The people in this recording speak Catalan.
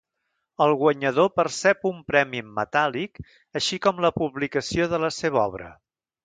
El guanyador percep un premi en metàl·lic així com la publicació de la seva obra.